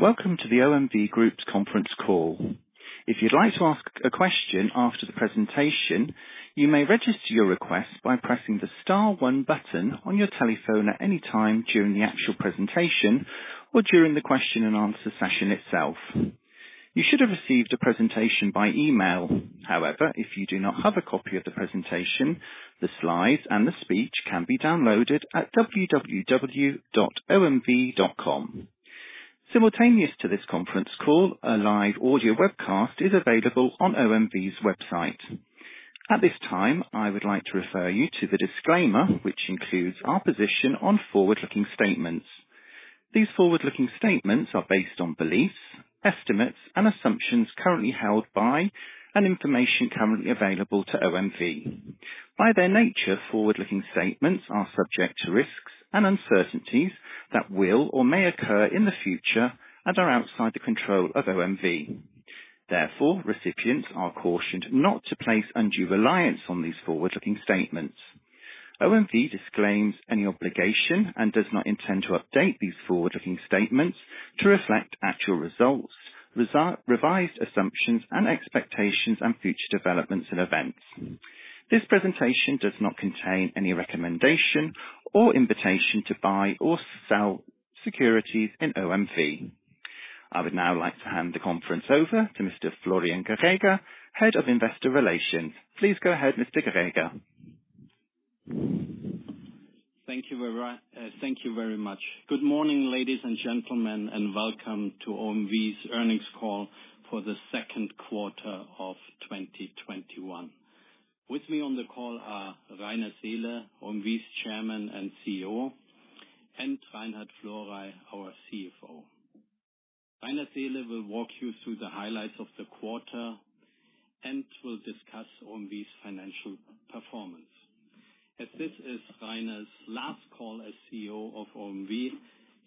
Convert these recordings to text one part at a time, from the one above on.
Welcome to the OMV Group's conference call. If you'd like to ask a question after the presentation, you may register your request by pressing the star one button on your telephone at any time during the actual presentation or during the question and answer session itself. You should have received a presentation by email. However, if you do not have a copy of the presentation, the slides and the speech can be downloaded at www.omv.com. Simultaneous to this conference call, a live audio webcast is available on OMV's website. At this time, I would like to refer you to the disclaimer, which includes our position on forward-looking statements. These forward-looking statements are based on beliefs, estimates, and assumptions currently held by, and information currently available to OMV. By their nature, forward-looking statements are subject to risks and uncertainties that will or may occur in the future and are outside the control of OMV. Therefore, recipients are cautioned not to place undue reliance on these forward-looking statements. OMV disclaims any obligation and does not intend to update these forward-looking statements to reflect actual results, revised assumptions and expectations, and future developments and events. This presentation does not contain any recommendation or invitation to buy or sell securities in OMV. I would now like to hand the conference over to Mr. Florian Greger, Head of Investor Relations. Please go ahead, Mr. Greger. Thank you very much. Good morning, ladies and gentlemen, and welcome to OMV's earnings call for the second quarter of 2021. With me on the call are Rainer Seele, OMV's Chairman and CEO, and Reinhard Florey, our CFO. Rainer Seele will walk you through the highlights of the quarter and will discuss OMV's financial performance. As this is Rainer's last call as CEO of OMV,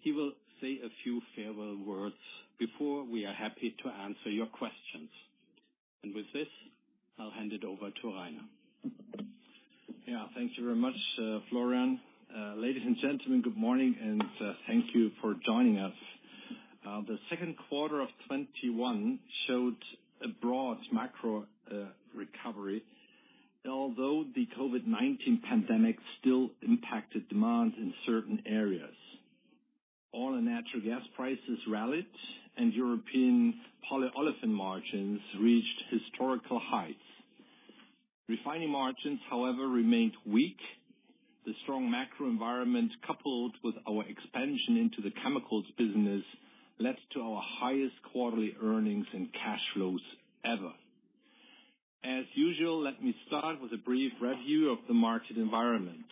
he will say a few farewell words before we are happy to answer your questions. With this, I'll hand it over to Rainer. Thank you very much, Florian. Ladies and gentlemen, good morning, and thank you for joining us. The second quarter of 2021 showed a broad macro recovery, although the COVID-19 pandemic still impacted demand in certain areas. Oil and natural gas prices rallied, and European polyolefin margins reached historical heights. Refining margins, however, remained weak. The strong macro environment, coupled with our expansion into the chemicals business, led to our highest quarterly earnings and cash flows ever. As usual, let me start with a brief review of the market environment.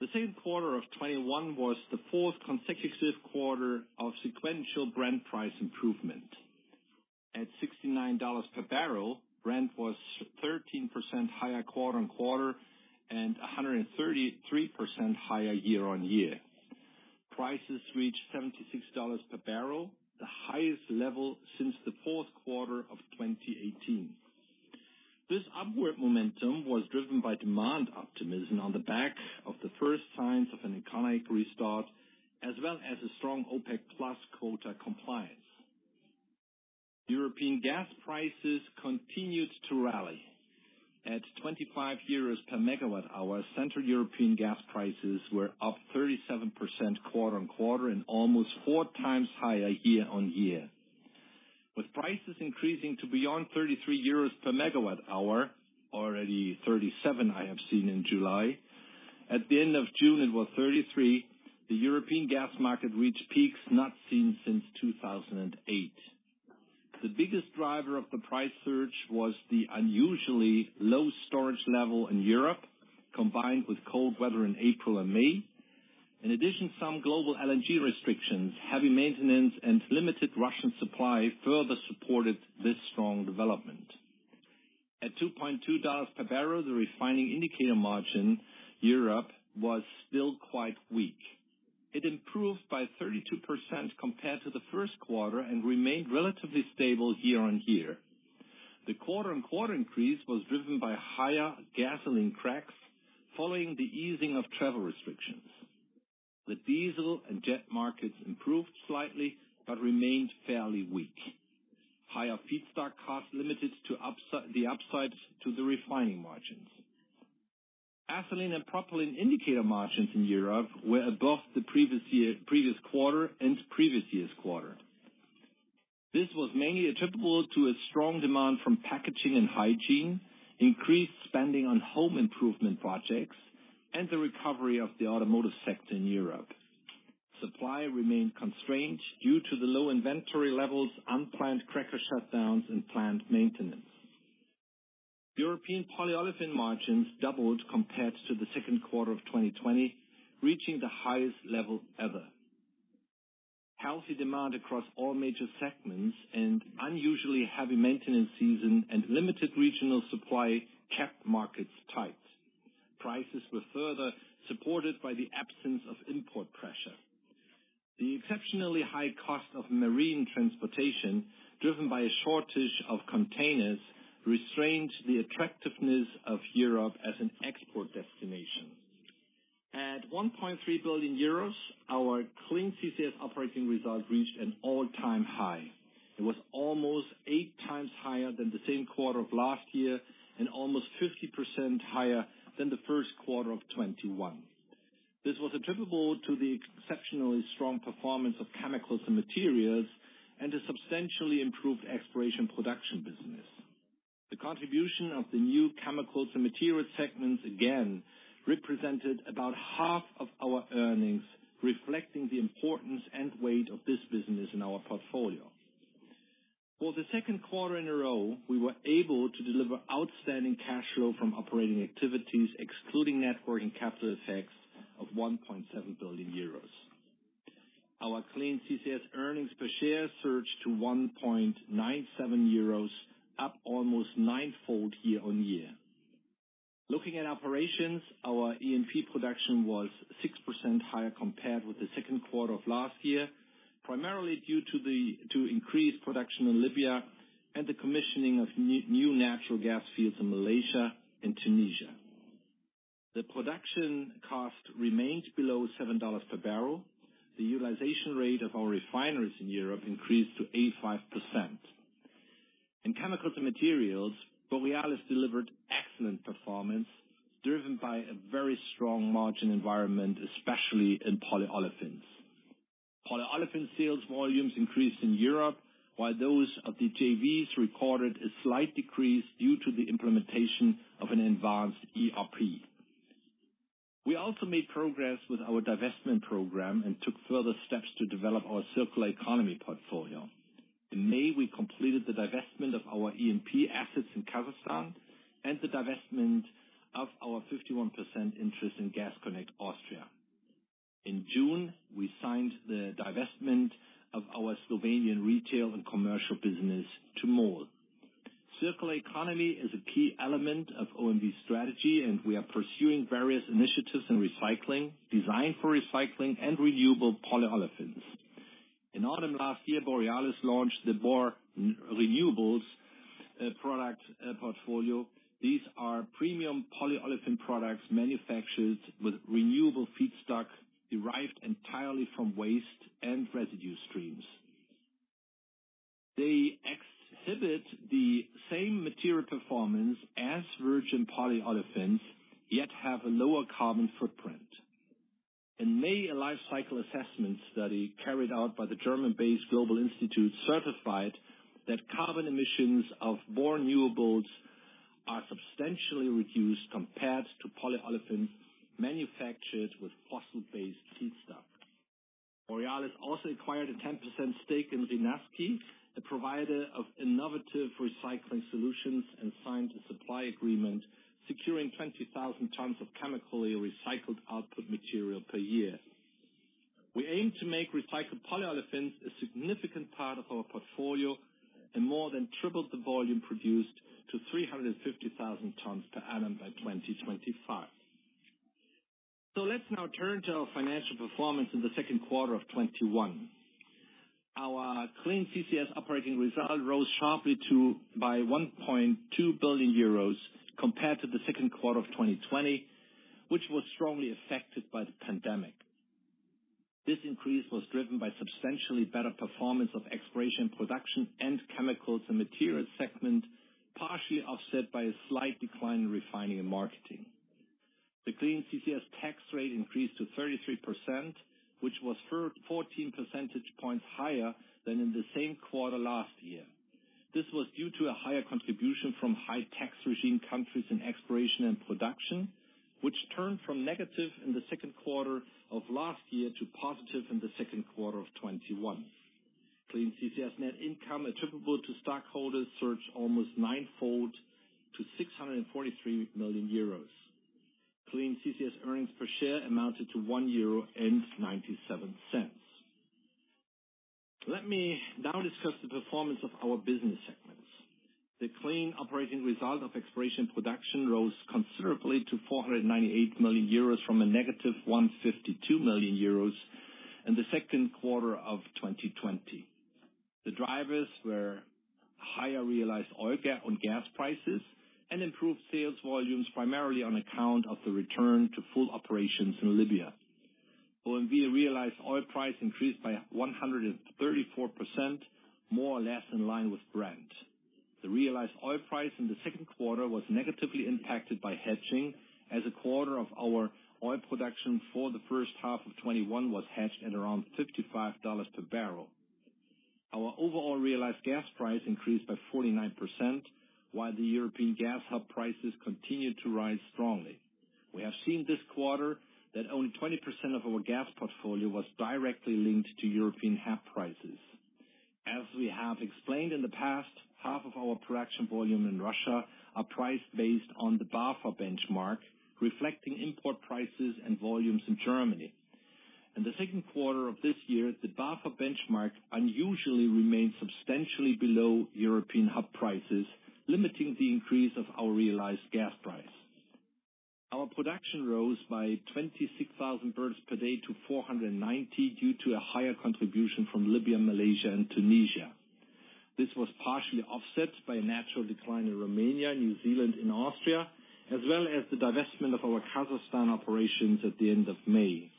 The second quarter of 2021 was the fourth consecutive quarter of sequential Brent price improvement. At $69 per bbl, Brent was 13% higher quarter-on-quarter and 133% higher year-on-year. Prices reached $76 per bbl, the highest level since the fourth quarter of 2018. This upward momentum was driven by demand optimism on the back of the first signs of an economic restart, as well as a strong OPEC+ quota compliance. European gas prices continued to rally. At 25 euros per MWh, Central European gas prices were up 37% quarter-on-quarter and almost four times higher year-on-year. With prices increasing to beyond 33 euros per MWh, already 37 I have seen in July. At the end of June, it was 33, the European gas market reached peaks not seen since 2008. The biggest driver of the price surge was the unusually low storage level in Europe, combined with cold weather in April and May. In addition, some global LNG restrictions, heavy maintenance, and limited Russian supply further supported this strong development. At $2.2 per bbl, the refining indicator margin in Europe was still quite weak. It improved by 32% compared to the first quarter and remained relatively stable year-on-year. The quarter-on-quarter increase was driven by higher gasoline cracks following the easing of travel restrictions. The diesel and jet markets improved slightly but remained fairly weak. Higher feedstock costs limited the upside to the refining margins. Ethylene and propylene indicator margins in Europe were above the previous quarter and the previous year's quarter. This was mainly attributable to a strong demand from packaging and hygiene, increased spending on home improvement projects, and the recovery of the automotive sector in Europe. Supply remained constrained due to the low inventory levels, unplanned cracker shutdowns, and plant maintenance. European polyolefin margins doubled compared to the second quarter of 2020, reaching the highest level ever. Healthy demand across all major segments and unusually heavy maintenance season, and limited regional supply kept markets tight. Prices were further supported by the absence of import pressure. The exceptionally high cost of marine transportation, driven by a shortage of containers, restrained the attractiveness of Europe as an export destination. At 1.3 billion euros, our Clean CCS Operating Result reached an all-time high. It was almost eight times higher than the same quarter of last year and almost 50% higher than the first quarter of 2021. This was attributable to the exceptionally strong performance of Chemicals & Materials and a substantially improved Exploration & Production business. The contribution of the new Chemicals & Materials segment again represented about half of our earnings, reflecting the importance and weight of this business in our portfolio. For the second quarter in a row, we were able to deliver outstanding cash flow from operating activities, excluding net working capital effects of 1.7 billion euros. Our Clean CCS EPS surged to 1.97 euros, up almost 9x year-on-year. Looking at operations, our E&P production was 6% higher compared with the second quarter of last year, primarily due to increased production in Libya and the commissioning of new natural gas fields in Malaysia and Tunisia. The production cost remains below $7 per bbl. The utilization rate of our refineries in Europe increased to 85%. In Chemicals & Materials, Borealis delivered excellent performance, driven by a very strong margin environment, especially in polyolefins. Polyolefin sales volumes increased in Europe, while those of the JVs recorded a slight decrease due to the implementation of an advanced ERP. We also made progress with our divestment program and took further steps to develop our circular economy portfolio. In May, we completed the divestment of our E&P assets in Kazakhstan and the divestment of our 51% interest in Gas Connect Austria. In June, we signed the divestment of our Slovenian retail and commercial business to MOL. Circular economy is a key element of OMV's strategy, and we are pursuing various initiatives in recycling, design for recycling, and renewable polyolefins. In autumn last year, Borealis launched the Bornewables product portfolio. These are premium polyolefin products manufactured with renewable feedstock derived entirely from waste and residue streams. They exhibit the same material performance as virgin polyolefins, yet have a lower carbon footprint. In May, a life cycle assessment study carried out by the German-based global institute certified that carbon emissions of Bornewables are substantially reduced compared to polyolefins manufactured with fossil-based feedstock. Borealis also acquired a 10% stake in Renasci, a provider of innovative recycling solutions, and signed a supply agreement securing 20,000 tons of chemically recycled output material per year. We aim to make recycled polyolefins a significant part of our portfolio and more than triple the volume produced to 350,000 tons per annum by 2025. Let's now turn to our financial performance in the second quarter of 2021. Our Clean CCS Operating Result rose sharply by 1.2 billion euros compared to the second quarter of 2020, which was strongly affected by the pandemic. This increase was driven by substantially better performance of the Exploration & Production and Chemicals & Materials segment, partially offset by a slight decline in Refining & Marketing. The Clean CCS tax rate increased to 33%, which was 14 percentage points higher than in the same quarter last year. This was due to a higher contribution from high-tax regime countries in exploration and production, which turned from negative in the second quarter of last year to positive in the second quarter of 2021. Clean CCS net income attributable to stockholders surged almost 9x to 643 million euros. Clean CCS earnings per share amounted to 1.97 euro. Let me now discuss the performance of our business segments. The clean operating result of Exploration & Production rose considerably to 498 million euros from -152 million euros in the second quarter of 2020. The drivers were higher realized oil and gas prices and improved sales volumes, primarily on account of the return to full operations in Libya. OMV realized oil price increased by 134%, more or less in line with Brent. The realized oil price in the second quarter was negatively impacted by hedging, as a quarter of our oil production for the first half of 2021 was hedged at around $55 per bbl. Our overall realized gas price increased by 49%, while the European gas hub prices continued to rise strongly. We have seen this quarter that only 20% of our gas portfolio was directly linked to European hub prices. As we have explained in the past, half of our production volume in Russia is priced based on the BAFA benchmark, reflecting import prices and volumes in Germany. In the second quarter of this year, the BAFA benchmark remained unusually substantially below European hub prices, limiting the increase of our realized gas price. Our production rose by 26,000 bpd to 490,000 bpd due to a higher contribution from Libya, Malaysia, and Tunisia. This was partially offset by a natural decline in Romania, New Zealand, and Austria, as well as the divestment of our Kazakhstan operations at the end of May.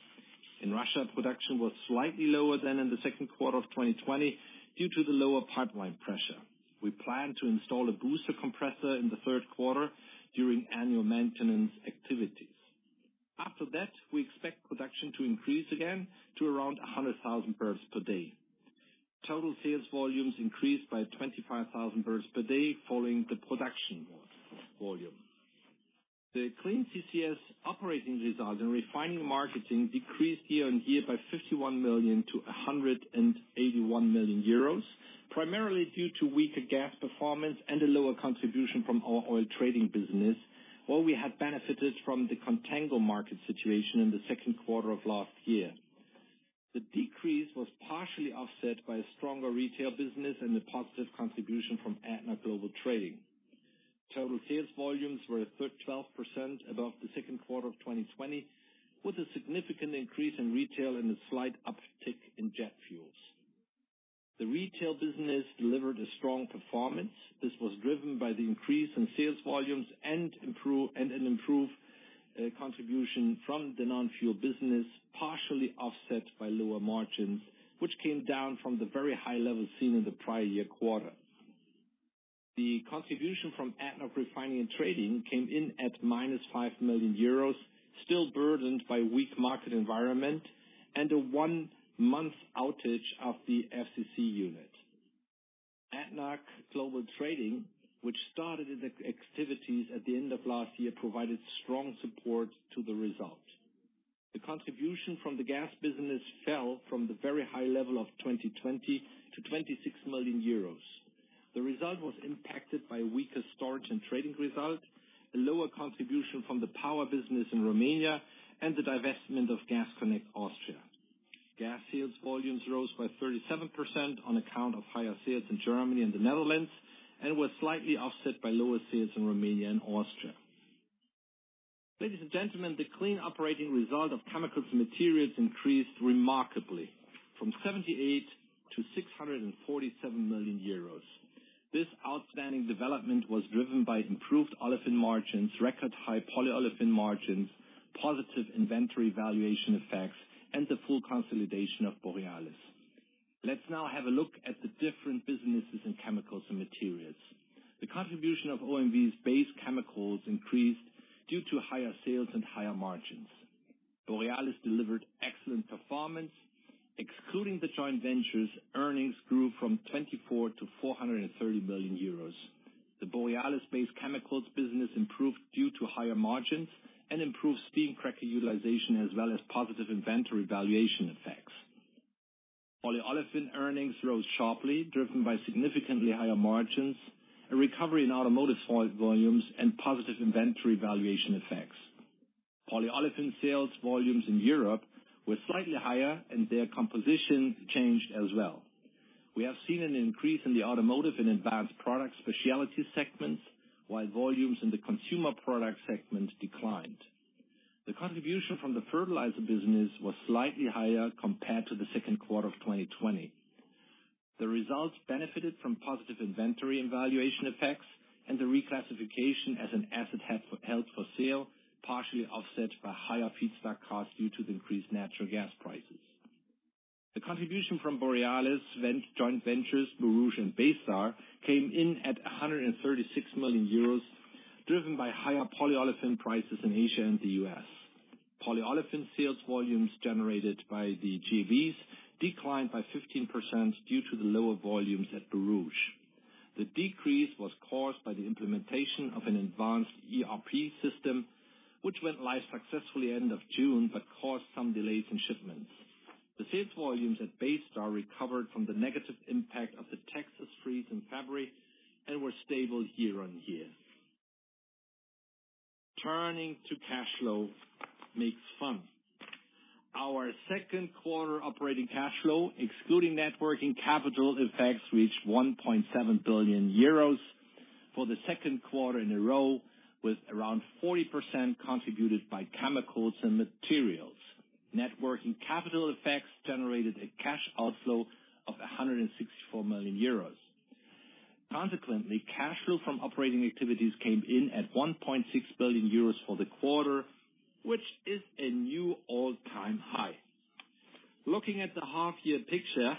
In Russia, production was slightly lower than in the second quarter of 2020 due to the lower pipeline pressure. We plan to install a booster compressor in the third quarter during annual maintenance activities. After that, we expect production to increase again to around 100,000 bpd. Total sales volumes increased by 25,000 bpd following the production volume. The Clean CCS Operating Result in Refining & Marketing decreased year on year by 51 million to 181 million euros, primarily due to weaker gas performance and a lower contribution from our oil trading business, while we had benefited from the contango market situation in the second quarter of last year. The decrease was partially offset by a stronger retail business and a positive contribution from ADNOC Global Trading. Total sales volumes were 12% above the second quarter of 2020, with a significant increase in retail and a slight uptick in jet fuels. The retail business delivered a strong performance. This was driven by the increase in sales volumes and an improved contribution from the non-fuel business, partially offset by lower margins, which came down from the very high levels seen in the prior year quarter. The contribution from ADNOC Refining and Trading came in at -5 million euros, still burdened by a weak market environment and a one-month outage of the FCC unit. ADNOC Global Trading, which started its activities at the end of last year, provided strong support to the result. The contribution from the gas business fell from the very high level of 2020 to 26 million euros. The result was impacted by weaker storage and trading results, a lower contribution from the power business in Romania, and the divestment of Gas Connect Austria. Gas sales volumes rose by 37% on account of higher sales in Germany and the Netherlands, and were slightly offset by lower sales in Romania and Austria. Ladies and gentlemen, the clean operating result of Chemicals & Materials increased remarkably from 78 million to 647 million euros. This outstanding development was driven by improved olefin margins, record high polyolefin margins, positive inventory valuation effects, and the full consolidation of Borealis. Let's now have a look at the different businesses in Chemicals & Materials. The contribution of OMV's base chemicals increased due to higher sales and higher margins. Borealis delivered excellent performance. Excluding the joint ventures, earnings grew from 24 million euros to EUR 230 million. The Borealis base chemicals business improved due to higher margins and improved steam cracker utilization, as well as positive inventory valuation effects. Polyolefin earnings rose sharply, driven by significantly higher margins, a recovery in automotive volumes, and positive inventory valuation effects. Polyolefin sales volumes in Europe were slightly higher, and their composition changed as well. We have seen an increase in the automotive and advanced products specialty segments, while volumes in the consumer products segment declined. The contribution from the fertilizer business was slightly higher compared to the second quarter of 2020. The results benefited from positive inventory and valuation effects and the reclassification as an asset held for sale, partially offset by higher feedstock costs due to the increased natural gas prices. The contribution from Borealis joint ventures—Borouge and Baystar—came in at 136 million euros, driven by higher polyolefin prices in Asia and the U.S. Polyolefin sales volumes generated by the JVs declined by 15% due to the lower volumes at Borouge. The decrease was caused by the implementation of an advanced ERP system, which went live successfully at the end of June, but caused some delays in shipments. The sales volumes at Baystar recovered from the negative impact of the Texas freeze in February and were stable year-over-year. Turning to cash flow is fun. Our second quarter operating cash flow, excluding net working capital effects, reached 1.7 billion euros for the second quarter in a row, with around 40% contributed by Chemicals & Materials. Net working capital effects generated a cash outflow of 164 million euros. Consequently, cash flow from operating activities came in at 1.6 billion euros for the quarter, which is a new all-time high. Looking at the half-year picture,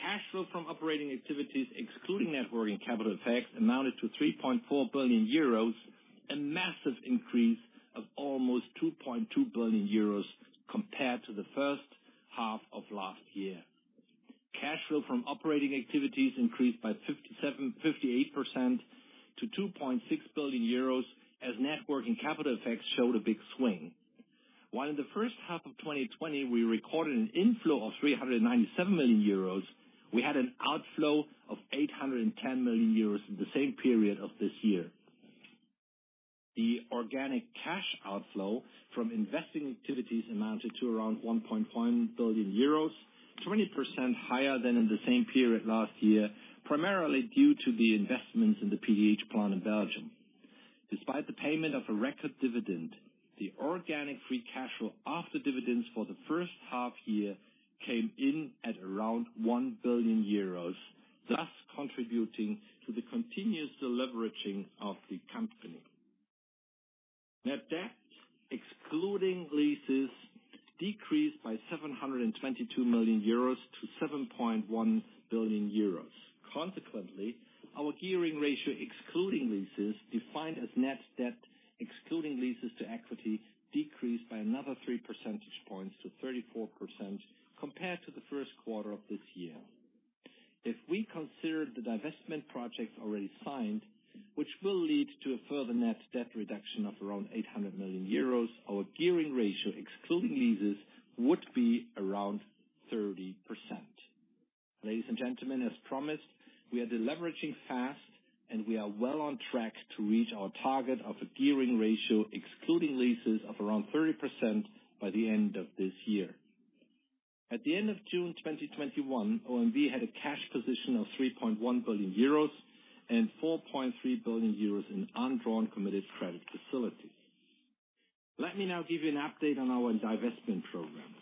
cash flow from operating activities, excluding net working capital effects, amounted to 3.4 billion euros, a massive increase of almost 2.2 billion euros compared to the first half of last year. Cash flow from operating activities increased by 58% to 2.6 billion euros as net working capital effects showed a big swing. While in the first half of 2020 we recorded an inflow of 397 million euros, we had an outflow of 810 million euros in the same period of this year. The organic cash outflow from investing activities amounted to around 1.1 billion euros, 20% higher than in the same period last year, primarily due to the investments in the PDH plant in Belgium. Despite the payment of a record dividend, the organic free cash flow after dividends for the first half of the year came in at around 1 billion euros, thus contributing to the continuous deleveraging of the company. Net debt, excluding leases, decreased by 722 million euros to 7.1 billion euros. Consequently, our gearing ratio, excluding leases, defined as net debt, excluding leases to equity, decreased by another 3 percentage points to 34% compared to the first quarter of this year. If we consider the divestment projects already signed, which will lead to a further net debt reduction of around 800 million euros, our gearing ratio, excluding leases, would be around 30%. Ladies and gentlemen, as promised, we are deleveraging fast. We are well on track to reach our target of a gearing ratio, excluding leases, of around 30% by the end of this year. At the end of June 2021, OMV had a cash position of 3.1 billion euros and 4.3 billion euros in an undrawn committed credit facility. Let me now give you an update on our divestment program.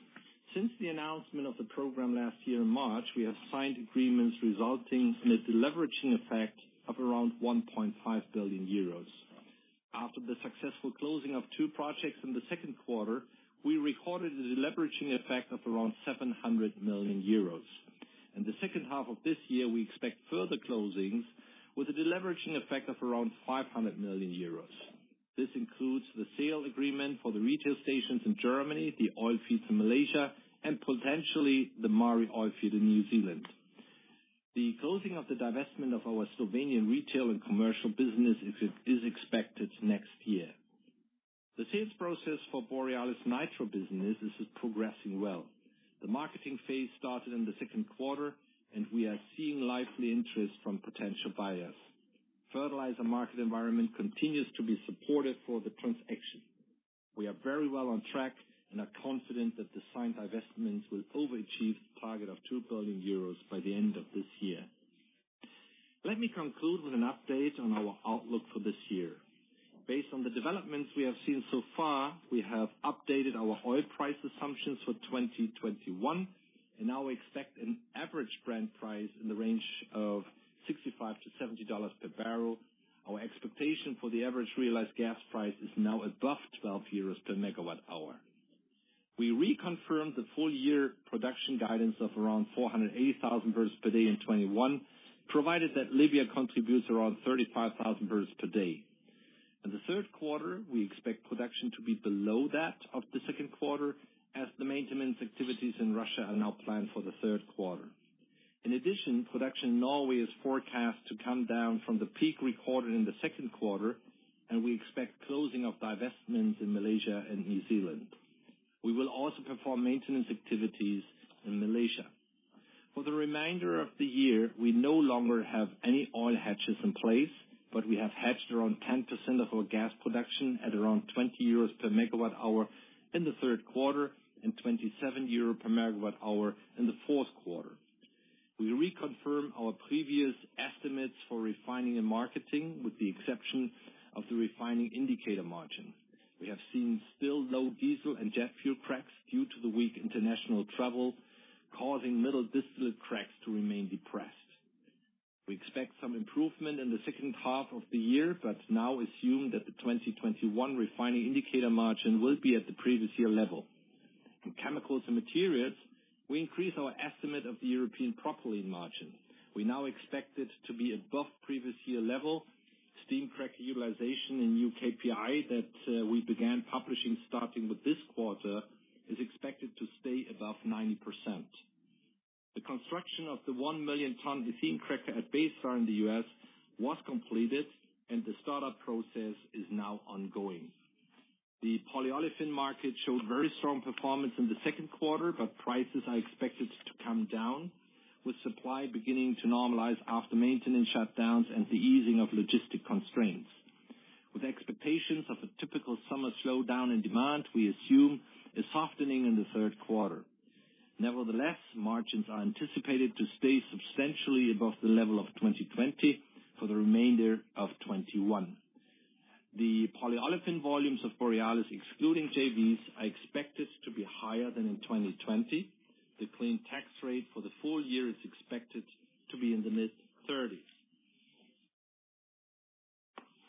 Since the announcement of the program last year in March, we have signed agreements resulting in a deleveraging effect of around 1.5 billion euros. After the successful closing of two projects in the second quarter, we recorded a deleveraging effect of around 700 million euros. In the second half of this year, we expect further closings with a deleveraging effect of around 500 million euros. This includes the sale agreement for the retail stations in Germany, the oil field in Malaysia, and potentially the Maari oil field in New Zealand. The closing of the divestment of our Slovenian retail and commercial business is expected next year. The sales process for the Borealis nitrogen business is progressing well. The marketing phase started in the second quarter, and we are seeing lively interest from potential buyers. The fertilizer market environment continues to support the transaction. We are very well on track and are confident that the signed divestments will overachieve the target of 2 billion euros by the end of this year. Let me conclude with an update on our outlook for this year. Based on the developments we have seen so far, we have updated our oil price assumptions for 2021. Now we expect an average Brent price in the range of $65-$70 per bbl. Our expectation for the average realized gas price is now above 12 euros per MWh. We reconfirm the full-year production guidance of around 480,000 bpd in 2021, provided that Libya contributes around 35,000 bpd. In the third quarter, we expect production to be below that of the second quarter, as the maintenance activities in Russia are now planned for the third quarter. In addition, production in Norway is forecast to come down from the peak recorded in the second quarter. We expect the closing of divestments in Malaysia and New Zealand. We will also perform maintenance activities in Malaysia. For the remainder of the year, we no longer have any oil hedges in place, but we have hedged around 10% of our gas production at around 20 euros per MWh in the third quarter and 27 euro per MWh in the fourth quarter. We reconfirm our previous estimates for Refining & Marketing, with the exception of the refining indicator margin. We have seen still low diesel and jet fuel cracks due to the weak international travel, causing middle distillate cracks to remain depressed. We expect some improvement in the second half of the year, but now assume that the 2021 refining indicator margin will be at the previous year's level. In Chemicals & Materials, we increase our estimate of the European propylene margin. We now expect it to be above the previous year's level. Steam cracker utilization in the new KPI that we began publishing starting with this quarter is expected to stay above 90%. The construction of the 1 million-ton ethane cracker at Baystar in the U.S. was completed, and the startup process is now ongoing. The polyolefin market showed very strong performance in the second quarter, but prices are expected to come down, with supply beginning to normalize after maintenance shutdowns and the easing of logistic constraints. With expectations of a typical summer slowdown in demand, we assume a softening in the third quarter. Nevertheless, margins are anticipated to stay substantially above the level of 2020 for the remainder of 2021. The polyolefin volumes of Borealis, excluding JVs, are expected to be higher than in 2020. The clean tax rate for the full year is expected to be in the mid-30%.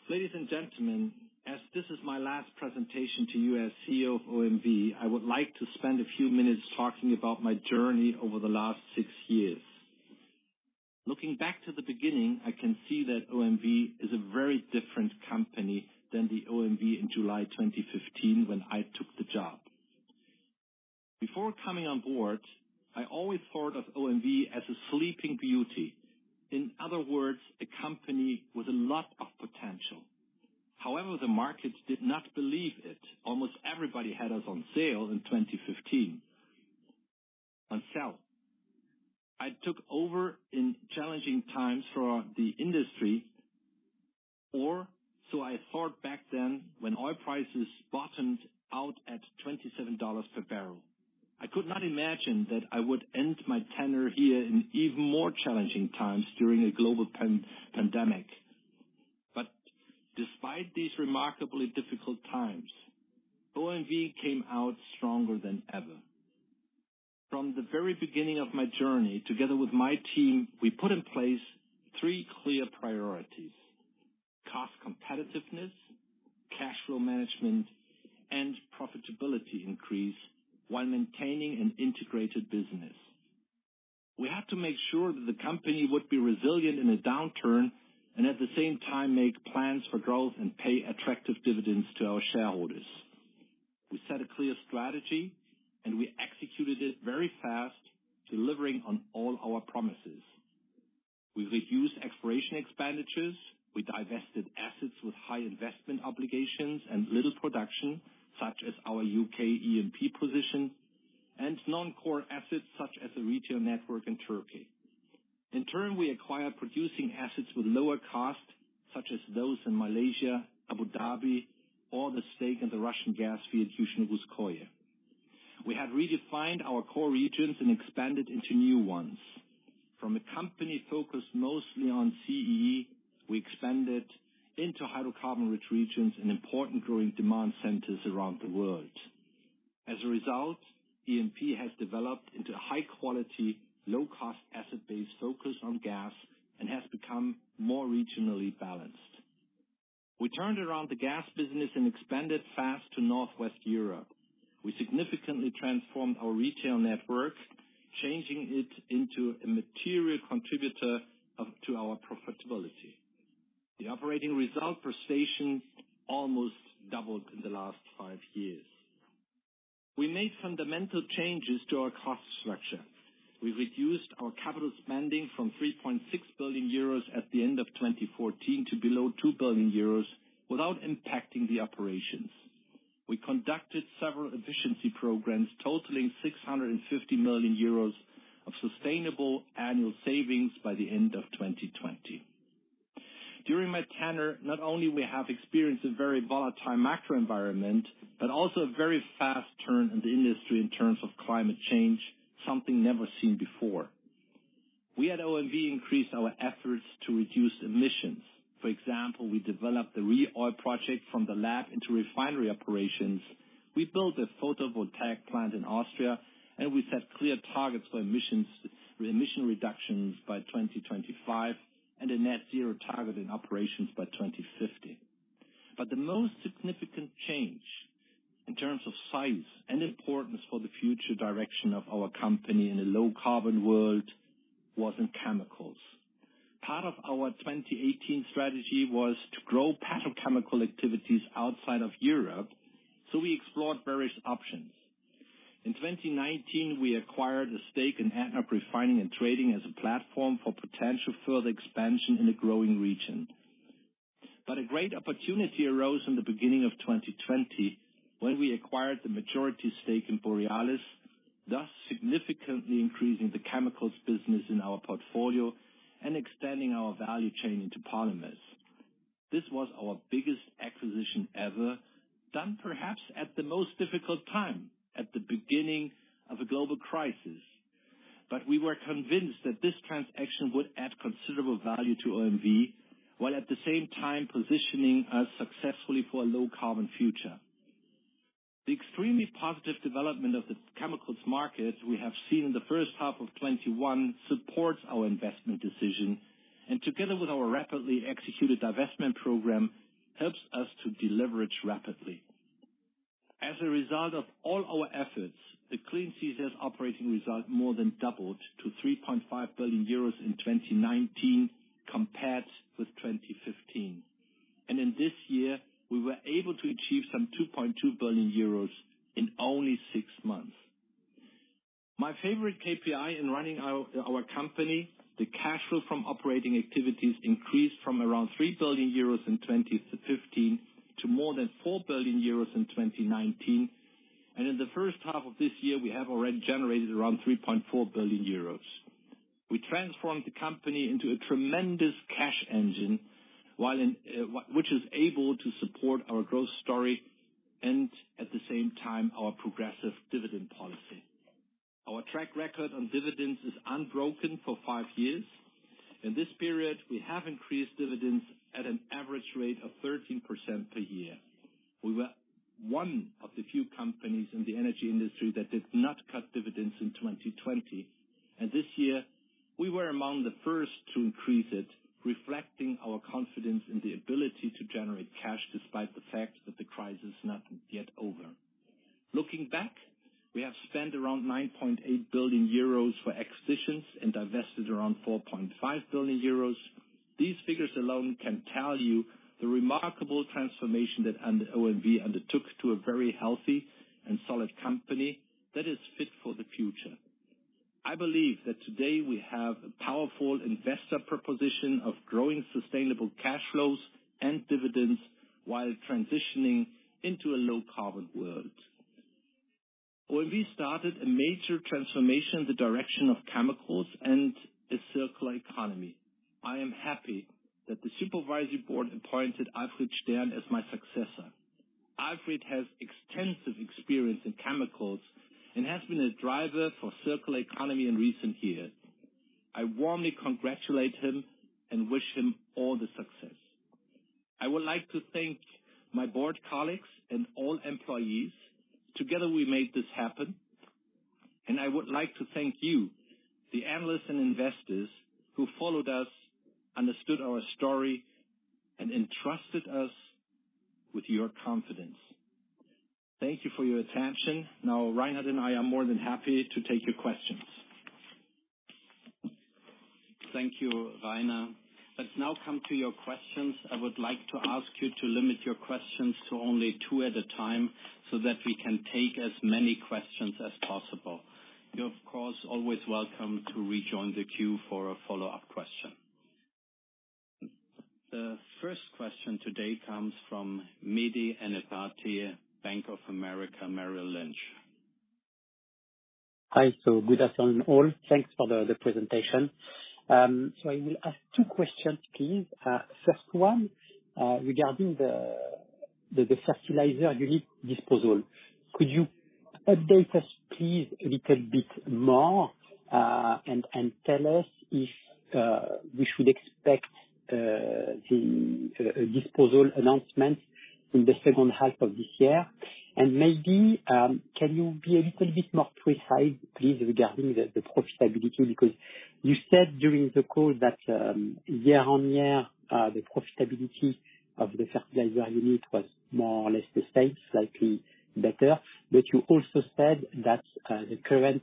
Ladies and gentlemen, as this is my last presentation to you as CEO of OMV, I would like to spend a few minutes talking about my journey over the last six years. Looking back to the beginning, I can see that OMV is a very different company from the OMV in July 2015 when I took the job. Before coming on board, I always thought of OMV as a sleeping beauty. In other words, a company with a lot of potential. The market did not believe it. Almost everybody had us on "Sell" in 2015. On "Sell". I took over in challenging times for the industry, or so I thought back then, when oil prices bottomed out at $27 per bbl. I could not imagine that I would end my tenure here in even more challenging times during a global pandemic. Despite these remarkably difficult times, OMV came out stronger than ever. From the very beginning of my journey, together with my team, we put in place three clear priorities: cost competitiveness, cash flow management, and profitability increase, while maintaining an integrated business. We had to make sure that the company would be resilient in a downturn and, at the same time, make plans for growth and pay attractive dividends to our shareholders. We set a clear strategy, and we executed it very fast, delivering on all our promises. We reduced exploration expenditures. We divested assets with high investment obligations and little production, such as our U.K. E&P position and non-core assets such as the retail network in Turkey. In turn, we acquired producing assets with lower cost, such as those in Malaysia, Abu Dhabi, or the stake in the Russian gas field, Yuzhno-Russkoye. We have redefined our core regions and expanded into new ones. From a company focused mostly on CEE, we expanded into hydrocarbon-rich regions and important growing demand centers around the world. As a result, E&P has developed into a high-quality, low-cost asset base focused on gas and has become more regionally balanced. We turned around the gas business and expanded fast to Northwest Europe. We significantly transformed our retail network, changing it into a material contributor to our profitability. The operating result per station almost doubled in the last five years. We made fundamental changes to our cost structure. We reduced our capital spending from 3.6 billion euros at the end of 2014 to below 2 billion euros without impacting operations. We conducted several efficiency programs totaling 650 million euros of sustainable annual savings by the end of 2020. During my tenure, not only have we experienced a very volatile macro environment, but also a very fast turn in the industry in terms of climate change, something never seen before. We at OMV increased our efforts to reduce emissions. For example, we developed the ReOil project from the lab into refinery operations. We built a photovoltaic plant in Austria. We set clear targets for emission reductions by 2025 and a net-zero target in operations by 2050. The most significant change in terms of size and importance for the future direction of our company in a low-carbon world was in chemicals. Part of our 2018 strategy was to grow petrochemical activities outside of Europe. We explored various options. In 2019, we acquired a stake in ADNOC Refining and Trading as a platform for potential further expansion in a growing region. A great opportunity arose at the beginning of 2020 when we acquired the majority stake in Borealis, thus significantly increasing the chemicals business in our portfolio and extending our value chain into polymers. This was our biggest acquisition ever, done perhaps at the most difficult time, at the beginning of a global crisis. We were convinced that this transaction would add considerable value to OMV, while at the same time positioning us successfully for a low-carbon future. The extremely positive development of the chemicals market we have seen in the first half of 2021 supports our investment decision, and together with our rapidly executed divestment program, helps us to deleverage rapidly. As a result of all our efforts, the Clean CCS Operating Result more than doubled to 3.5 billion euros in 2019 compared with 2015. This year, we were able to achieve some 2.2 billion euros in only six months. My favorite KPI in running our company is the cash flow from operating activities, which increased from around 3 billion euros in 2015 to more than 4 billion euros in 2019. In the first half of this year, we have already generated around 3.4 billion euros. We transformed the company into a tremendous cash engine, which is able to support our growth story and, at the same time, our progressive dividend policy. Our track record on dividends is unbroken for five years. In this period, we have increased dividends at an average rate of 13% per year. We were one of the few companies in the energy industry that did not cut dividends in 2020. This year, we were among the first to increase it, reflecting our confidence in the ability to generate cash despite the fact that the crisis is not yet over. Looking back, we have spent around 9.8 billion euros on acquisitions and divested around 4.5 billion euros. These figures alone can tell you the remarkable transformation that OMV has undertaken to a very healthy and solid company that is fit for the future. I believe that today we have a powerful investor proposition of growing sustainable cash flows and dividends while transitioning into a low-carbon world. OMV started a major transformation in the direction of chemicals and a circular economy. I am happy that the supervisory board appointed Alfred Stern as my successor. Alfred has extensive experience in chemicals and has been a driver for the circular economy in recent years. I warmly congratulate him and wish him all the success. I would like to thank my board colleagues and all employees. Together, we made this happen. I would like to thank you, the analysts and investors, who followed us, understood our story, and entrusted us with your confidence. Thank you for your attention. Now, Reinhard and I are more than happy to take your questions. Thank you, Rainer. Let's now come to your questions. I would like to ask you to limit your questions to only two at a time so that we can take as many questions as possible. You're, of course, always welcome to rejoin the queue for a follow-up question. The first question today comes from Mehdi Ennebati, Bank of America Merrill Lynch. Hi. Good afternoon, all. Thanks for the presentation. I will ask two questions, please. First one, regarding the fertilizer unit disposal. Could you update us, please, a little bit more, and tell us if we should expect the disposal announcement in the second half of this year? Maybe, can you be a little bit more precise, please, regarding the profitability? You said during the call that year-on-year, the profitability of the fertilizer unit was more or less the same, slightly better. You also said that the current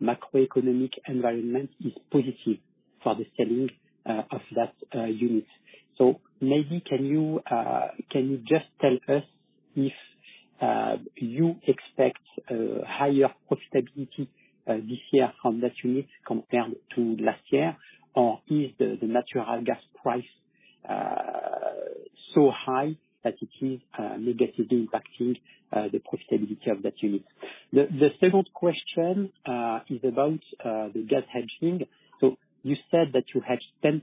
macroeconomic environment is positive for the sale of that unit. Maybe, can you just tell us if you expect a higher profitability this year from that unit compared to last year? Or is the natural gas price so high that it is negatively impacting the profitability of that unit? The second question is about the gas hedging. You said that you hedged 10%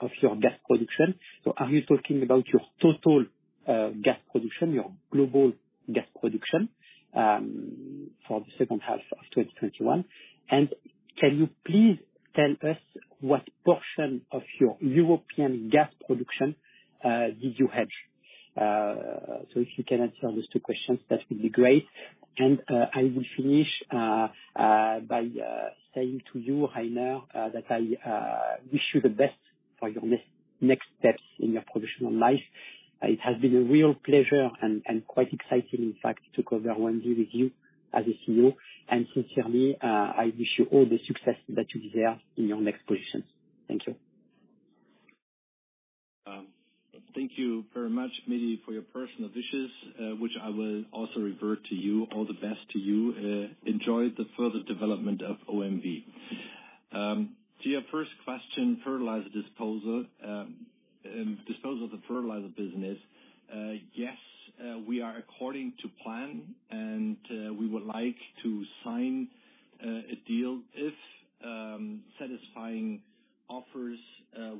of your gas production. Are you talking about your total gas production, your global gas production, for the second half of 2021? Can you please tell us what portion of your European gas production you hedge? If you can answer those two questions, that would be great. I will finish by saying to you, Rainer, that I wish you the best for your next steps in your professional life. It has been a real pleasure and quite exciting, in fact, to cover OMV with you as a CEO. Sincerely, I wish you all the success that you deserve in your next position. Thank you. Thank you very much, Mehdi, for your personal wishes, which I will also revert to you. All the best to you. Enjoy the further development of OMV. To your first question, disposal of the fertilizer business. Yes, we are according to plan, and we would like to sign a deal if satisfactory offers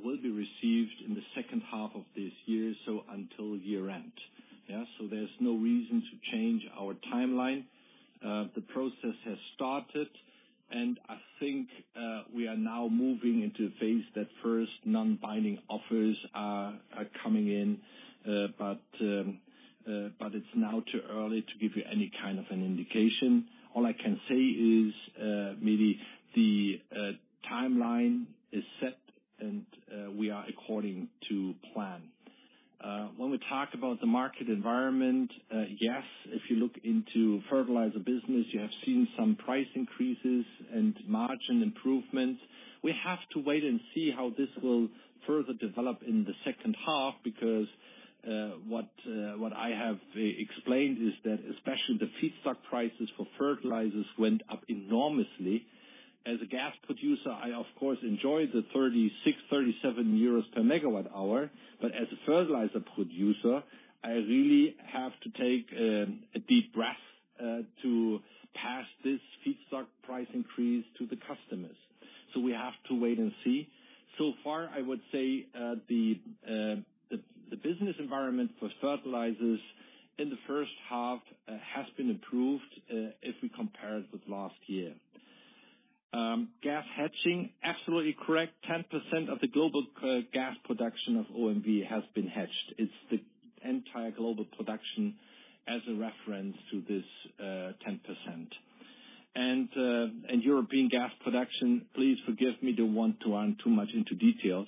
will be received in the second half of this year, so until year-end. There's no reason to change our timeline. The process has started, and I think we are now moving into a phase that 1st non-binding offers are coming in. It's now too early to give you any kind of an indication. All I can say is, Mehdi, the timeline is set, and we are according to plan. When we talk about the market environment, yes, if you look into the fertilizer business, you have seen some price increases and margin improvements. We have to wait and see how this will further develop in the second half, because what I have explained is that especially the feedstock prices for fertilizers went up enormously. As a gas producer, I of course enjoy the 36-37 euros per MWh. As a fertilizer producer, I really have to take a deep breath to pass this feedstock price increase to the customers. We have to wait and see. So far, I would say the business environment for fertilizers in the first half has been improved if we compare it with last year. Gas hedging, absolutely correct. 10% of the global gas production of OMV has been hedged. It's the entire global production as a reference to this 10%. European gas production, please forgive me, I don't want to run too much into details.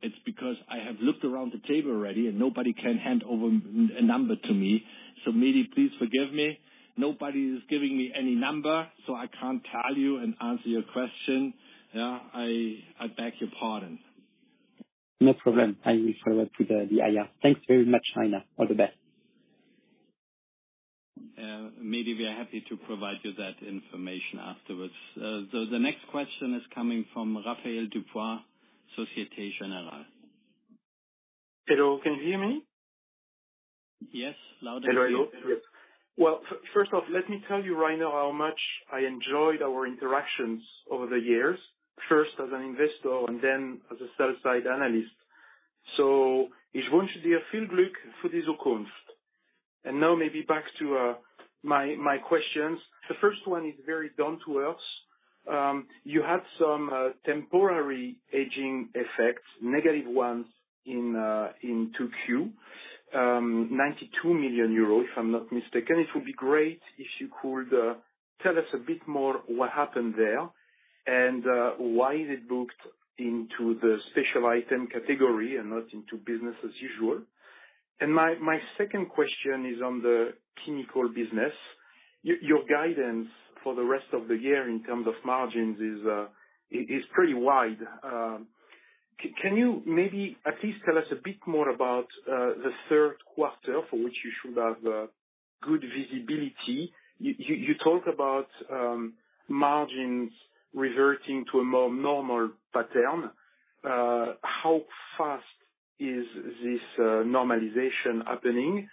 It's because I have looked around the table already, and nobody can hand over a number to me. Mehdi, please forgive me. Nobody is giving me a number, so I can't tell you or answer your question. Yeah. I beg your pardon. No problem. I will forward it to the IR. Thanks very much, Rainer. All the best. Mehdi, we are happy to provide you with that information afterwards. The next question is coming from Raphaël Dubois, Société Générale. Hello, can you hear me? Yes. Loud and clear, Raphaël. Hello. Yes. Well, first off, let me tell you, Rainer, how much I enjoyed our interactions over the years, first as an investor and then as a sell-side analyst. Now, maybe back to my questions. The first one is very down-to-earth. You had some temporary hedging effects, negative ones in 2Q, 92 million euros, if I'm not mistaken. It would be great if you could tell us a bit more about what happened there, and why it is booked into the special item category and not into business as usual? My second question is on the chemical business. Your guidance for the rest of the year in terms of margins is pretty wide. Can you maybe at least tell us a bit more about the third quarter, for which you should have good visibility? You talk about margins reverting to a more normal pattern. How fast is this normalization happening?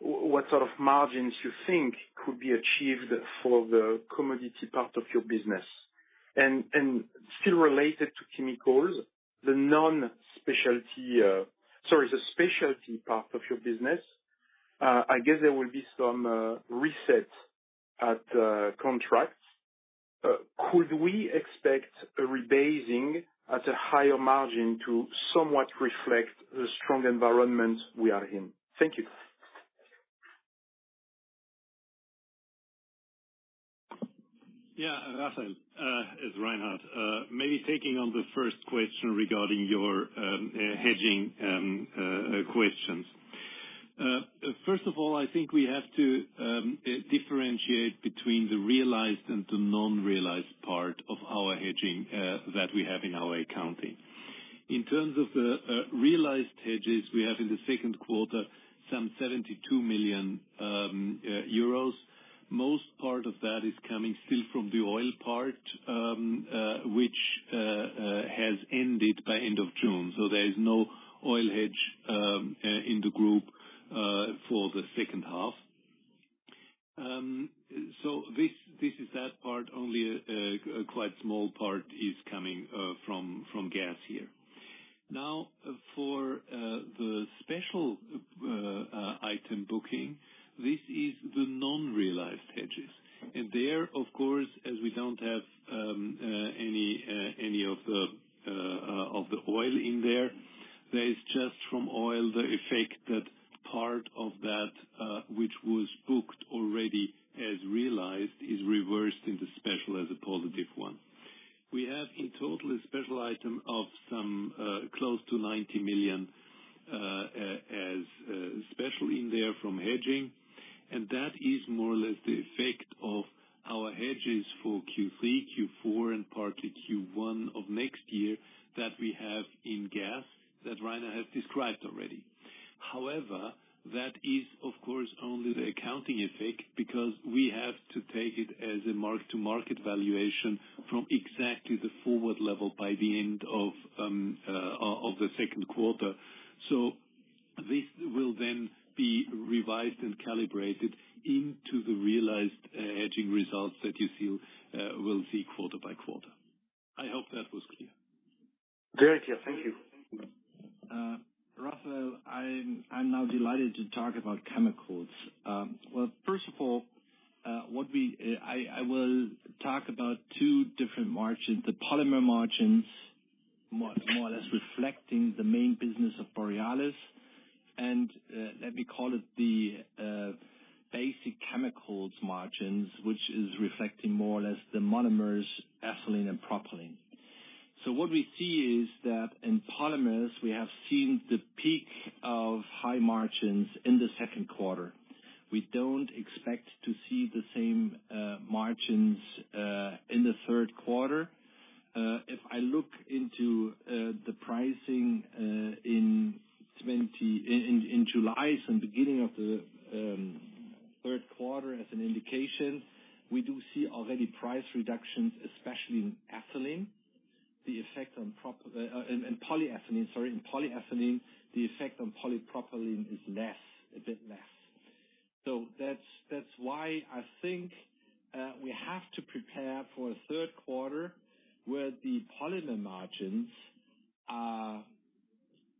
What sort of margins do you think could be achieved for the commodity part of your business? Still related to chemicals, the specialty part of your business, I guess, there will be some resets at contracts. Could we expect a rebasing at a higher margin to somewhat reflect the strong environment we are in? Thank you. Yeah, Raphaël. It's Reinhard. Maybe take on the first question regarding your hedging questions. First of all, I think we have to differentiate between the realized and the non-realized part of our hedging that we have in our accounting. In terms of the realized hedges we have in the second quarter, some 72 million euros. Most of that is coming still from the oil part, which has ended by the end of June, so there is no oil hedge in the group for the second half. This is that part, only a quite small part is coming from gas here. Now, for the special item booking, this is the non-realized hedges. There, of course, as we don't have any of the oil in there is just from the oil effect that part of that which was booked already as realized is reversed into special as a positive one. We have in total a special item of some close to 90 million as special in there from hedging, and that is more or less the effect of our hedges for Q3, Q4, and partly Q1 of next year that Rainer has described already. However, that is, of course, only the accounting effect because we have to take it as a mark-to-market valuation from exactly the forward level by the end of the second quarter. This will then be revised and calibrated into the realized hedging results that you will see quarter by quarter. I hope that was clear. Very clear. Thank you. Raphaël, I'm now delighted to talk about chemicals. First of all, I will talk about two different margins, the polymer margins, more or less reflecting the main business of Borealis, and let me call it the basic chemicals margins, which reflect more or less the monomers, ethylene, and propylene. What we see is that in polymers, we have seen the peak of high margins in the second quarter. We don't expect to see the same margins in the third quarter. If I look into the pricing in July, so beginning of the third quarter as an indication, we do see already price reductions, especially in ethylene. The effect on polyethylene, sorry. In polyethylene, the effect on polypropylene is a bit less. That's why I think we have to prepare for a third quarter where the polymer margins are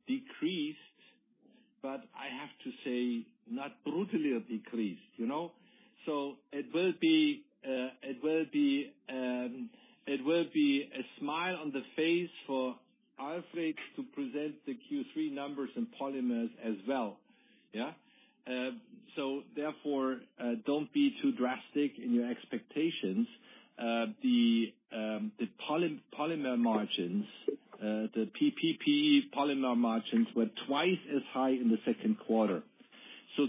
decreased, but I have to say, not brutally decreased. It will be a smile on the face for Alfred to present the Q3 numbers in polymers as well. Yeah. Therefore, don't be too drastic in your expectations. The polymer margins, the PE/PP polymer margins, were twice as high in the second quarter.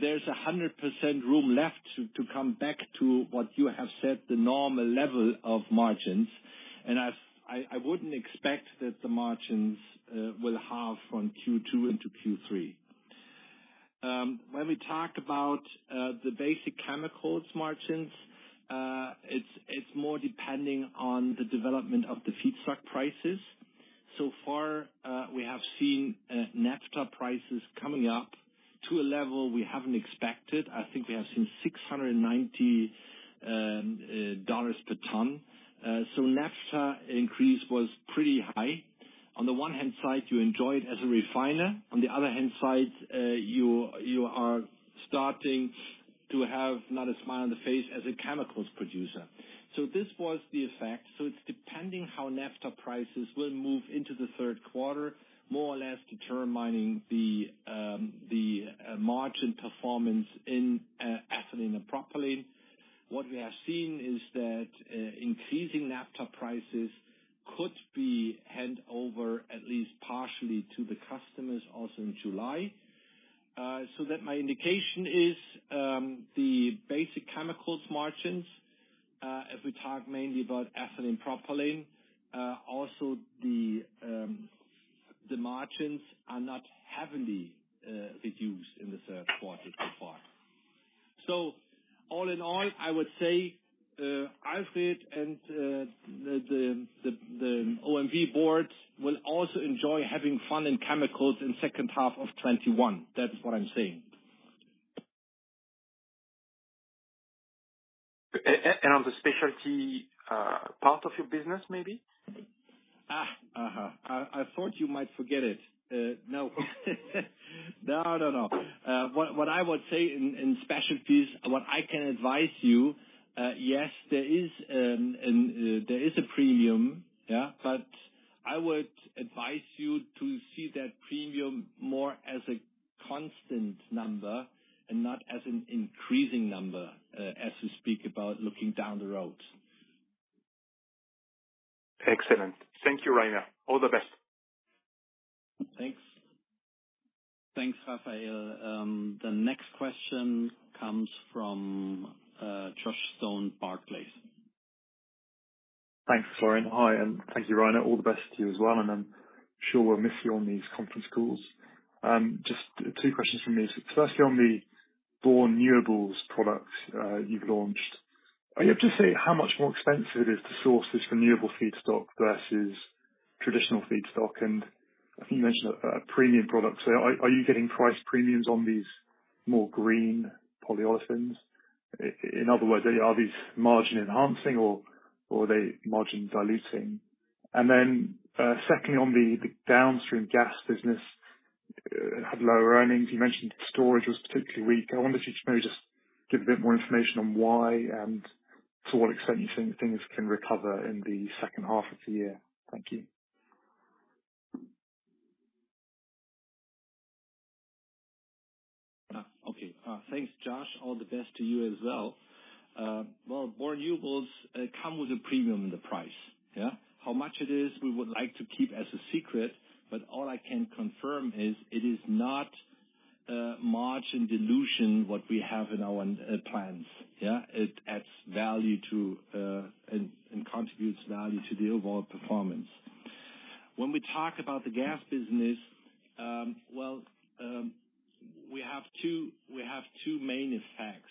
There's 100% room left to come back to what you have set as the normal level of margins. I wouldn't expect that the margins will be half from Q2 into Q3. When we talk about the basic chemicals margins, it's more dependent on the development of the feedstock prices. So far, we have seen naphtha prices coming up to a level we haven't expected. I think we have seen $690 per ton. Naphtha increase was pretty high. On the one hand, you enjoy it as a refiner. On the other hand, you are starting to have no smile on your face as a chemical producer. This was the effect. It depends on how naphtha prices will move into the third quarter, more or less determining the margin performance in ethylene and propylene. What we have seen is that increasing naphtha prices could be handed over, at least partially, to the customers also in July. That's my indication, the basic chemicals margins, if we talk mainly about ethylene propylene, also the margins are not heavily reduced in the third quarter so far. All in all, I would say Alfred and the OMV board will also enjoy having fun in Chemicals in the second half of 2021. That's what I'm saying. On the specialty part of your business, maybe? I thought you might forget it. No, no. What I would say in specialties, what I can advise you, yes, there is a premium, yeah? I would advise you to see that premium more as a constant number and not as an increasing number, as we speak about looking down the road. Excellent. Thank you, Rainer. All the best. Thanks. Thanks, Raphaël. The next question comes from Josh Stone, Barclays. Thanks, Florian. Hi, thank you, Rainer. All the best to you as well. I'm sure we'll miss you on these conference calls. Just two questions from me. Firstly, on the Bornewables product you've launched. Are you able to say how much more expensive it is to source this renewable feedstock versus traditional feedstock? I think you mentioned a premium product. Are you getting price premiums on these more green polyolefins? In other words, are these margin-enhancing or are they margin-diluting? Secondly, on the downstream gas business had lower earnings. You mentioned storage was particularly weak. I wonder if you'd maybe just give a bit more information on why and to what extent you think things can recover in the second half of the year. Thank you. Okay. Thanks, Josh. All the best to you as well. Renewables come with a premium in the price, yeah. How much it is, we would like to keep as a secret; all I can confirm is it is not margin dilution that we have in our plans, yeah. It adds value to and contributes value to the overall performance. We talk about the gas business, well, we have two main effects.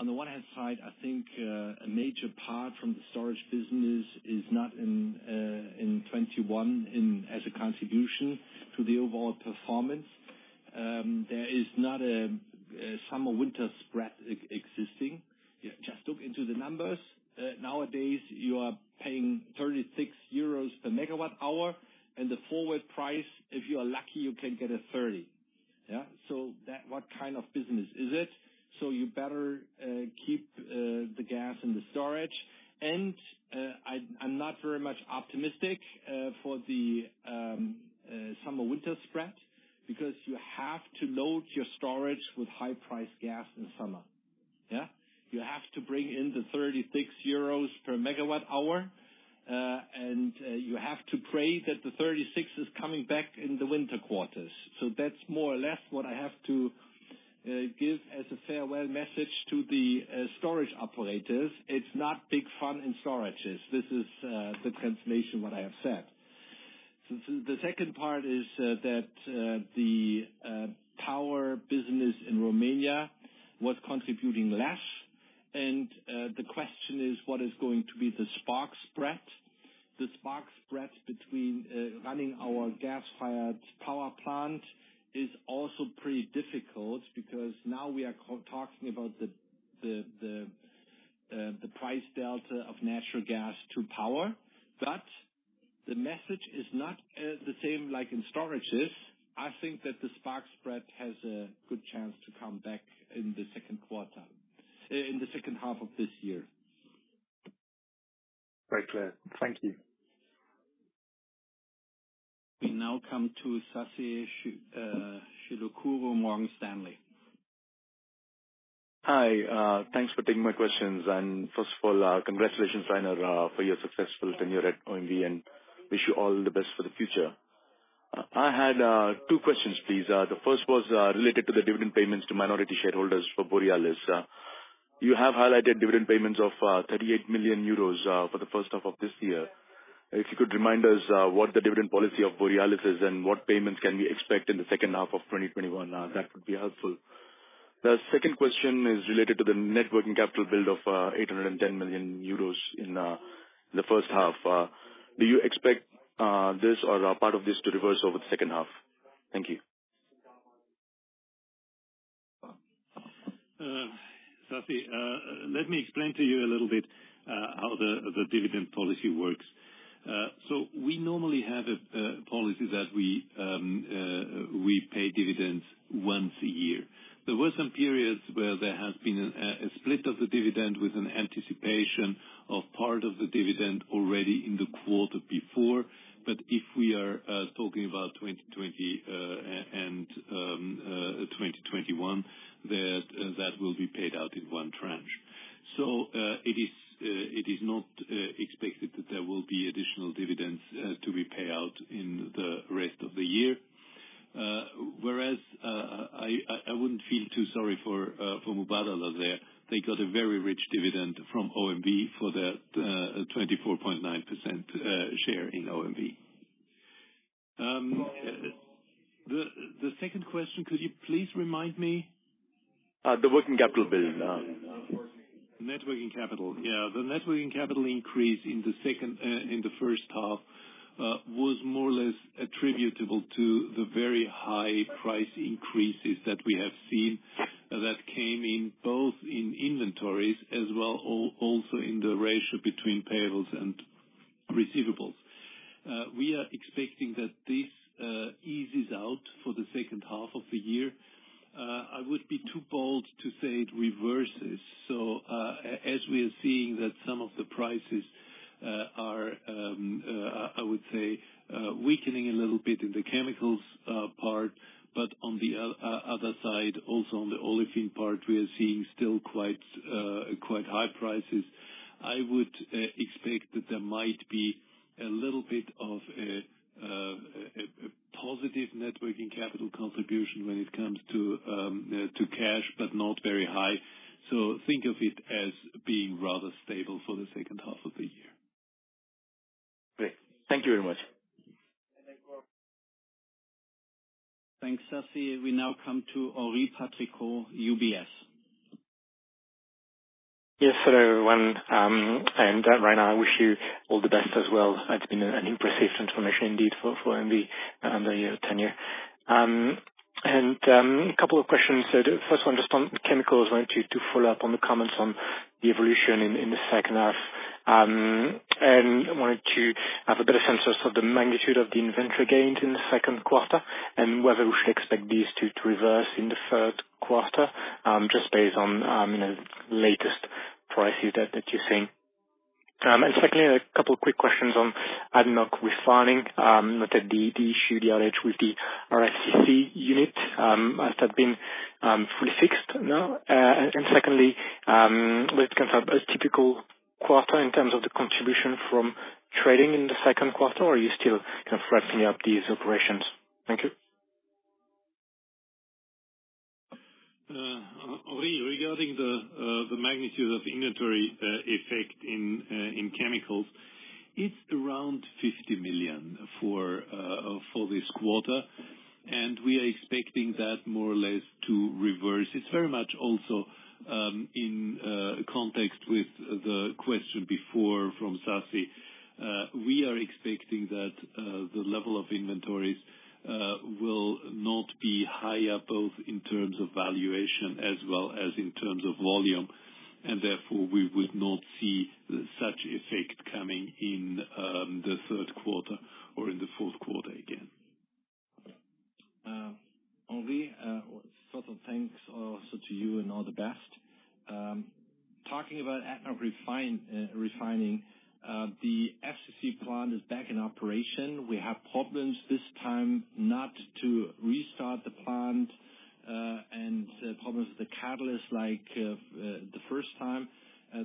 On the one hand, I think a major part of the storage business is not in 2021 as a contribution to the overall performance. There is no summer-winter spread existing. Just look into the numbers. Nowadays, you are paying 36 euros per MWh, the forward price; if you are lucky, you can get a 30 per MWh. Yeah. What kind of business is it? You'd better keep the gas in the storage. I'm not very much optimistic for the summer-winter spread because you have to load your storage with high-priced gas in summer. Yeah. You have to bring in the 36 euros per MWh, and you have to pray that the 36 per MWh is coming back in the winter quarters. That's more or less what I have to give as a farewell message to the storage operators. It's not a big fun in storage. This is the translation of what I have said. The second part is that the power business in Romania was contributing less, and the question is, what is going to be the spark spread? The spark spread between running our gas-fired power plant is also pretty difficult because now we are talking about the price delta of natural gas to power. The message is not the same as in storage. I think that the spark spread has a good chance to come back in the second half of this year. Very clear. Thank you. We now come to Sasikanth Chilukuru with Morgan Stanley. Hi. Thanks for taking my questions. First of all, congratulations, Rainer, on your successful tenure at OMV, and I wish you all the best for the future. I had two questions, please. The first was related to the dividend payments to minority shareholders for Borealis. You have highlighted dividend payments of 38 million euros for the first half of this year. Could you remind us what the dividend policy of Borealis is and what payments we can expect in the second half of 2021? That would be helpful. The second question is related to the net working capital build of 810 million euros in the first half. Do you expect this or a part of this to reverse over the second half? Thank you. Sasi, let me explain to you a little bit how the dividend policy works. We normally have a policy that we pay dividends once a year. There were some periods where there has been a split of the dividend with an anticipation of part of the dividend already in the quarter before. If we are talking about 2020 and 2021, that will be paid out in one tranche. It is not expected that there will be additional dividends to be paid out in the rest of the year. I wouldn't feel too sorry for Mubadala. They got a very rich dividend from OMV for that 24.9% share in OMV. The second question, could you please remind me? The working capital build. Net working capital. Yeah. The net working capital increase in the first half was more or less attributable to the very high price increases that we have seen, which came in both in inventories as well as in the ratio between payables and receivables. We are expecting that this eases out for the second half of the year. I would be too bold to say it reverses. As we are seeing that some of the prices are, I would say, weakening a little bit in the chemicals part, but on the other side, also on the olefin part, we are still seeing quite high prices. I would expect that there might be a little bit of a positive net working capital contribution when it comes to cash, but not very high. Think of it as being rather stable for the second half of the year. Great. Thank you very much. Thanks, Sasi. We now come to Henri Patricot, UBS. Yes. Hello, everyone. Rainer, I wish you all the best as well. It's been an impressive transformation indeed for OMV under your tenure. A couple of questions. The first one, just on Chemicals. I wanted to follow up on the comments on the evolution in the second half. I wanted to have a better sense of the magnitude of the inventory gains in the second quarter, and whether we should expect these two to reverse in the third quarter, just based on the latest prices that you're seeing. Secondly, a couple of quick questions on ADNOC Refining. Noted the issue, the outage with the RFCC unit. Has that been fully fixed now? Secondly, was it considered a typical quarter in terms of the contribution from trading in the second quarter, or are you still kind of ramping up these operations? Thank you. Henri, regarding the magnitude of the inventory effect in Chemicals, it is around 50 million for this quarter, and we are expecting that more or less to reverse. It is also very much in context with the question before from Sasi. We are expecting that the level of inventories will not be higher, both in terms of valuation as well as in terms of volume, and therefore we would not see such effect coming in the third quarter or in the fourth quarter again. Henri, first of all, thanks also to you, and all the best. Talking about ADNOC Refining, the FCC plant is back in operation. We have problems this time not to restart the plant, and problems with the catalyst, like the first time.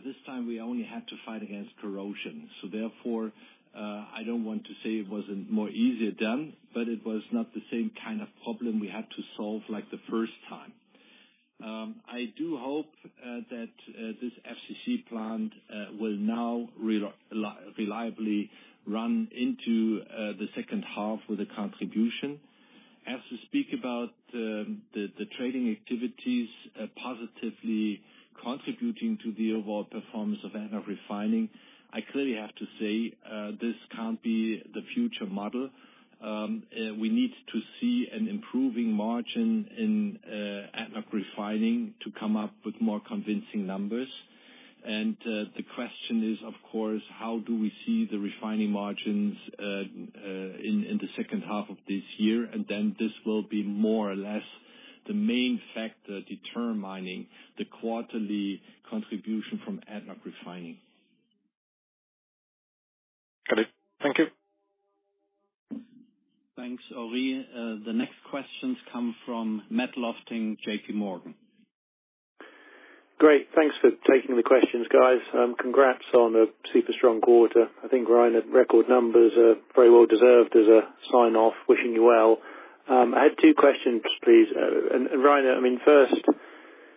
This time we only had to fight against corrosion. Therefore, I don't want to say it was more easier done, but it was not the same kind of problem we had to solve as the first time. I do hope that this FCC plant will now reliably run into the second half with a contribution. As we speak about the trading activities positively contributing to the overall performance of ADNOC Refining, I clearly have to say this can't be the future model. We need to see an improving margin in ADNOC Refining to come up with more convincing numbers. The question is, of course, how do we see the refining margins in the second half of this year? This will be more or less the main factor determining the quarterly contribution from ADNOC Refining. Got it. Thank you. Thanks, Henri. The next questions come from Matt Lofting, JPMorgan. Great. Thanks for taking the questions, guys. Congrats on a super strong quarter. I think, Rainer, record numbers are very well deserved as a sign-off. Wishing you well. I have two questions, please. Rainer, first,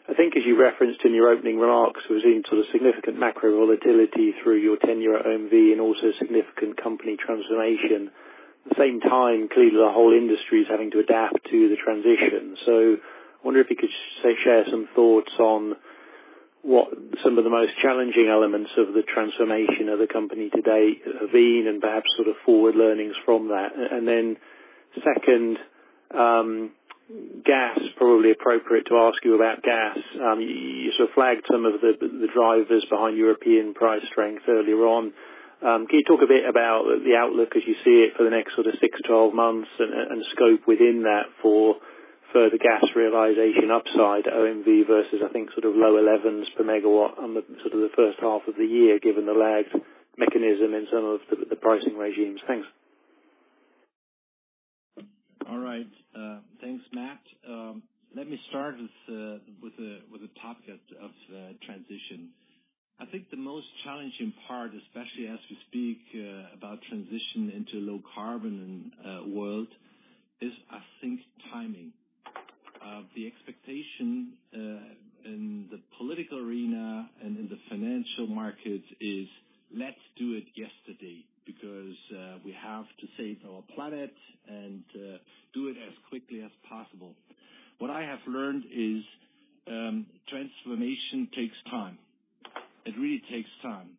I think as you referenced in your opening remarks, we've seen significant macro volatility through your tenure at OMV and also significant company transformation. At the same time, clearly, the whole industry is having to adapt to the transition. I wonder if you could share some thoughts on what some of the most challenging elements of the transformation of the company today have been, and perhaps forward learnings from that. Second, gas. Probably appropriate to ask you about gas. You flagged some of the drivers behind European price strength earlier on. Can you talk a bit about the outlook as you see it for the next six to 12 months and scope within that for further gas realization upside OMV versus, I think, low 11 per MWh on the first half of the year, given the lagged mechanism in some of the pricing regimes. Thanks. All right. Thanks, Matt. Let me start with the topic of transition. I think the most challenging part, especially as we speak about transition into low carbon world, is, I think, timing. The expectation in the political arena and in the financial market is let's do it yesterday because we have to save our planet and do it as quickly as possible. What I have learned is that transformation takes time. It really takes time.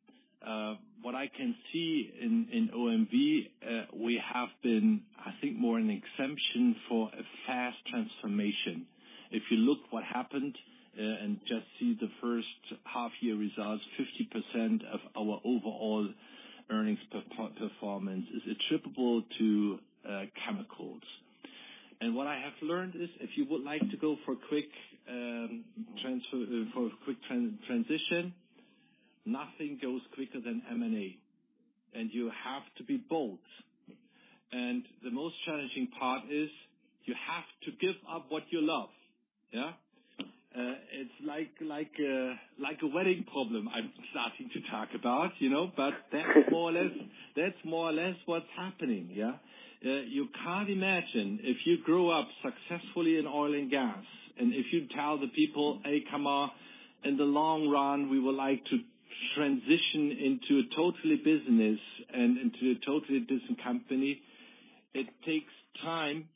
What I can see in OMV, we have been, I think, more of an exception for a fast transformation. If you look at what happened and just see the first half-year results, 50% of our overall earnings performance is attributable to Chemicals. What I have learned is that if you would like to go for a quick transition, nothing goes quicker than M&A, and you have to be bold. The most challenging part is that you have to give up what you love. It's like a wedding problem I'm starting to talk about, but that's more or less what's happening. You can't imagine if you grew up successfully in oil and gas, and if you tell the people, "Hey, come on, in the long run, we would like to transition into a totally different business and into a totally different company," it takes time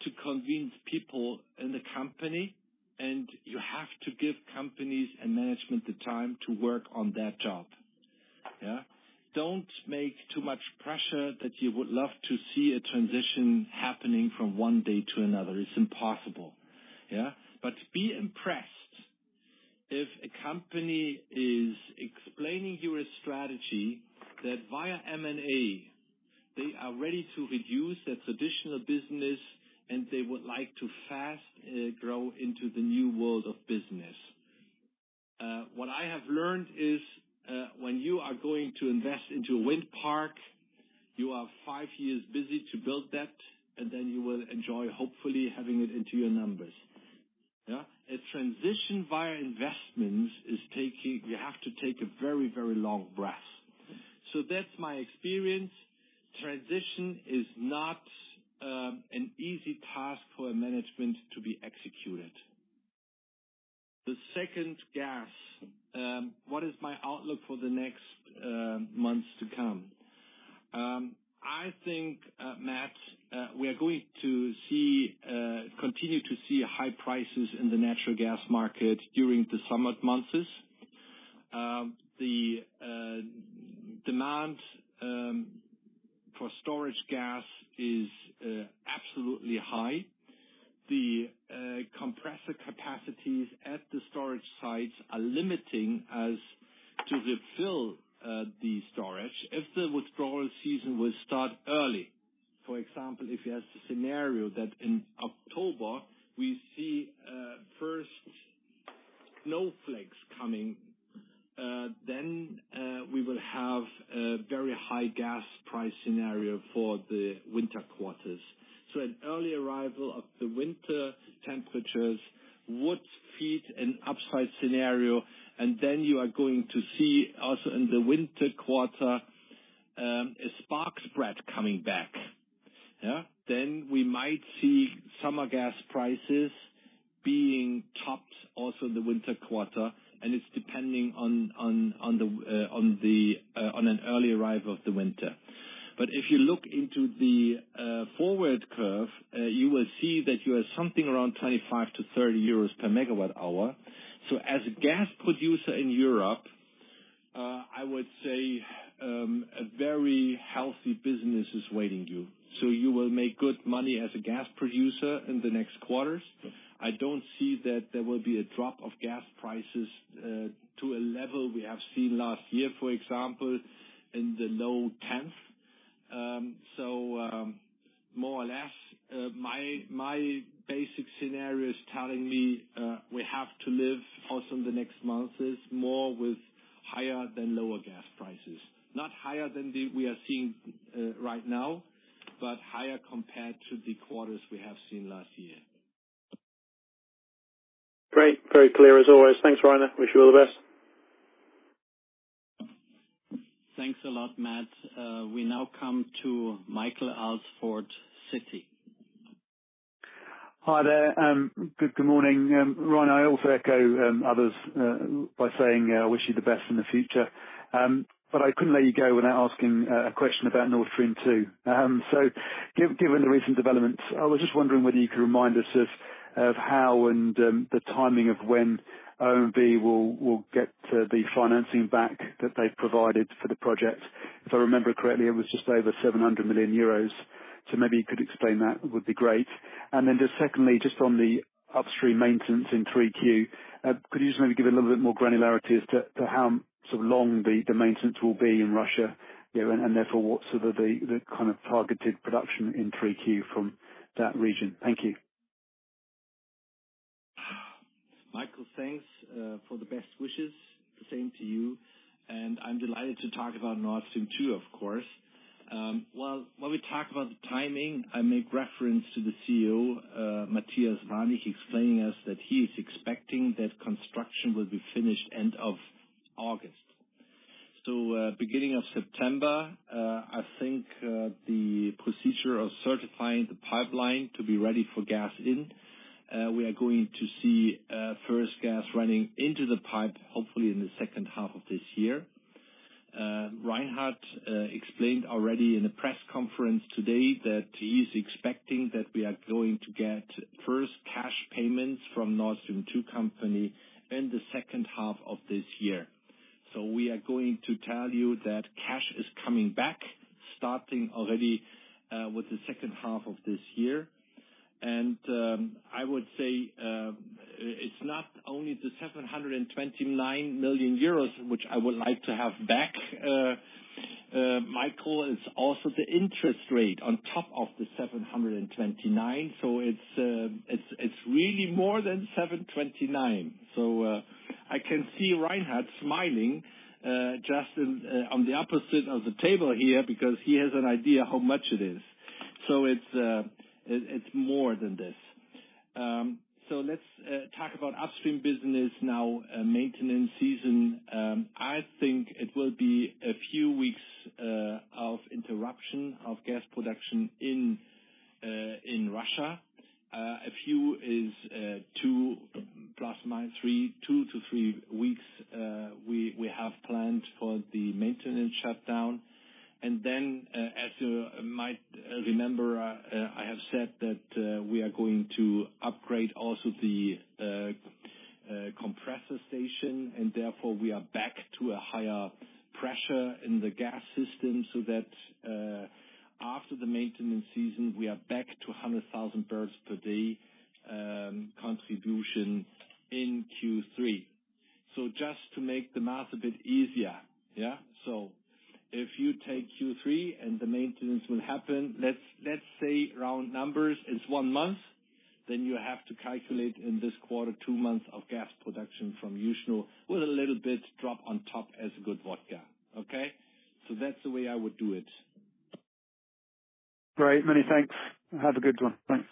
to convince people in the company, and you have to give companies and management the time to work on that job. Don't make too much pressure that you would love to see a transition happening from one day to another. It's impossible. Be impressed if a company is explaining to you a strategy that, via M&A, they are ready to reduce their traditional business, and they would like to fast grow into the new world of business. What I have learned is that when you are going to invest in a wind park, you are five years busy building that, and then you will enjoy, hopefully, having it in your numbers. A transition via investments, you have to take a very, very long breath. That's my experience. Transition is not an easy task for management to execute. The second, gas. What is my outlook for the next few months to come? I think, Matt, we are going to continue to see high prices in the natural gas market during the summer months. The demand for storage gas is absolutely high. The compressor capacities at the storage sites are limited to fill the storage. If the withdrawal season starts early, for example, if you have the scenario that in October we see the first snowflakes coming, we will have a very high gas price scenario for the winter quarters. An early arrival of the winter temperatures would feed an upside scenario, and you are going to see in the winter quarter, a spark spread coming back. We might see summer gas prices being topped also in the winter quarter, and it depends on an early arrival of winter. If you look into the forward curve, you will see that you have something around 25-30 euros per MWh. As a gas producer in Europe, I would say a very healthy business is awaiting you. You will make good money as a gas producer in the next quarters. I don't see that there will be a drop in gas prices to a level we have seen last year, for example, in the low-10s of euros. More or less, my basic scenario is telling me we have to live also in the next months, with higher or lower gas prices. Not higher than we are seeing right now, but higher compared to the quarters we have seen last year. Great. Very clear as always. Thanks, Rainer. Wish you all the best. Thanks a lot, Matt. We now come to Michael Alsford, Citi. Hi there. Good morning, Rainer. I also echo others by saying I wish you the best in the future. I couldn't let you go without asking a question about Nord Stream 2. Given the recent developments, I was just wondering whether you could remind us of how and the timing of when OMV will get the financing back that they've provided for the project. If I remember correctly, it was just over 700 million euros. Maybe you could explain that would be great. Secondly, just on the upstream maintenance in Q3, could you just maybe give a little bit more granularity as to how long the maintenance will be in Russia, and therefore what sort of the kind of targeted production in Q3 from that region? Thank you. Michael, thanks for the best wishes. The same to you. I'm delighted to talk about Nord Stream 2, of course. While we talk about the timing, I make reference to CEO Matthias Warnig, explaining to us that he is expecting that construction will be finished by the end of August. Beginning of September, I think the procedure of certifying the pipeline to be ready for gas in, we are going to see the first gas running into the pipe, hopefully in the second half of this year. Reinhard Florey explained already in the press conference today that he is expecting that we are going to get the first cash payments from Nord Stream 2 company in the second half of this year. We are going to tell you that cash is coming back, starting already with the second half of this year. I would say it's not only the 729 million euros, which I would like to have back, Michael, it's also the interest rate on top of the 729 million. It's really more than 729 million. I can see Reinhard smiling just on the opposite side of the table here because he has an idea of how much it is. It's more than this. Let's talk about upstream business now, maintenance season. I think it will be a few weeks of interruption of gas production in Russia. A few is two to three, we have planned for the maintenance shutdown. Then, as you might remember, I have said that we are going to upgrade also the compressor station, and therefore we are back to a higher pressure in the gas system, so that after the maintenance season, we are back to 100,000 bpd contribution in Q3. Just to make the math a bit easier. If you take Q3 and the maintenance will happen, let's say round numbers, it's one month, then you have to calculate in this quarter two months of gas production from Yuzhno-Russkoye with a little bit drop on top as good vodka. Okay. That's the way I would do it. Great, many thanks. Have a good one. Thanks.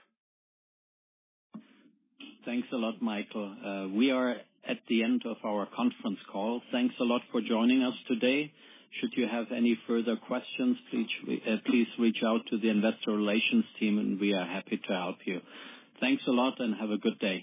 Thanks a lot, Michael. We are at the end of our conference call. Thanks a lot for joining us today. Should you have any further questions, please reach out to the investor relations team, and we are happy to help you. Thanks a lot and have a good day.